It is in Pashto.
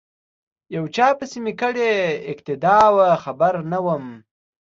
یو چا پسی می کړې اقتدا وه خبر نه وم